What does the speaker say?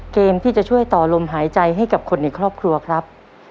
เกมที่จะช่วยต่อลมหายใจให้กับคนในครอบครัวครับ